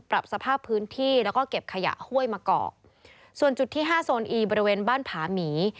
ปรับสภาพพื้นที่แล้วก็เก็บขยะห้วยมะกอกส่วนจุดที่ห้าโซนอีบริเวณบ้านผาหมี